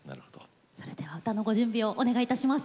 それでは歌のご準備をお願いいたします。